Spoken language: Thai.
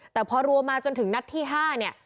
แต่พอรวมมาจนถึงนัดที่๕เนี่ย